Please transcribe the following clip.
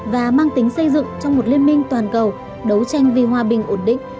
và mang tính xây dựng trong một liên minh toàn cầu đấu tranh vì hòa bình ổn định